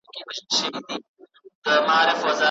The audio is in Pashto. ځواني په زده کړو کې تېرېږي.